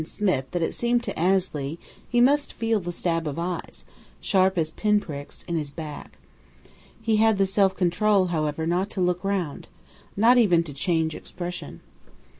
Smith" that it seemed to Annesley he must feel the stab of eyes, sharp as pin pricks, in his back. He had the self control, however, not to look round, not even to change expression.